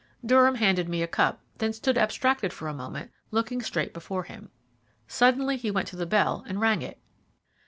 Durham handed me a cup, then stood abstracted for a moment, looking straight before him. Suddenly he went to the bell and rang it.